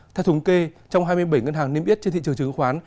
theo thống kê trong hai mươi bảy ngân hàng niêm yết trên thị trường chứng khoán